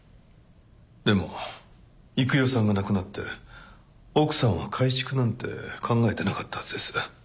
でも幾代さんが亡くなって奥さんは改築なんて考えてなかったはずです。